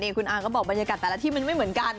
คุณอาก็บอกบรรยากาศแต่ละที่มันไม่เหมือนกัน